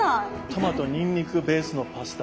トマト・にんにくベースのパスタ。